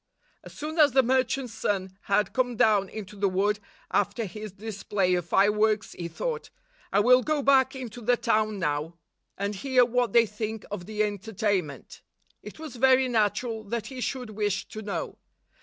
As soon as the merchant's son had come down into the wood after his display of fireworks, he thought, " I will go back into the town now, 200 and hear what they think of the entertainment." It was very natural that he should wish to know.